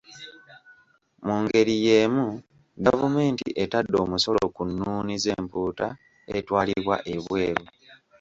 Mu ngeri y’emu gavumenti etadde omusolo ku nnuuni z’empuuta etwalibwa ebweru.